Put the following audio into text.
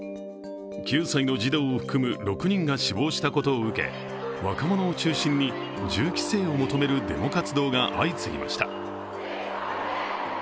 ９歳の児童を含む６人が死亡したことを受け、若者を中心に銃規制を求めるデモ活動が相次ぎました。